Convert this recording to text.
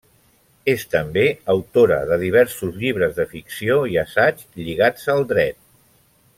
És també autora de diversos llibres de ficció i assaig lligats al dret.